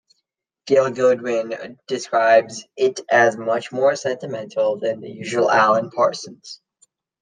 Gail Godwin describes it as much more sentimental than the usual Alan Parsons.